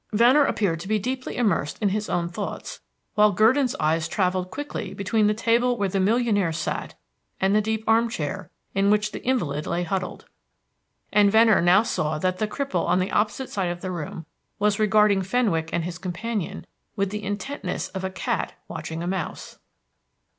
Venner appeared to be deeply immersed in his own thoughts, while Gurdon's eyes travelled quickly between the table where the millionaire sat and the deep armchair, in which the invalid lay huddled; and Venner now saw that the cripple on the opposite side of the room was regarding Fenwick and his companion with the intentness of a cat watching a mouse.